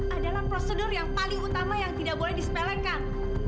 adalah prosedur yang paling utama yang tidak boleh disepelekan